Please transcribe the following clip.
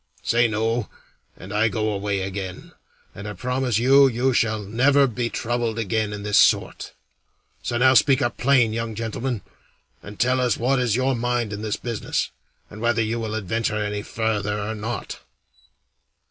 Say 'No,' and I go away again, and I promise you you shall never be troubled again in this sort. So now speak up plain, young gentleman, and tell us what is your mind in this business, and whether you will adventure any farther or not."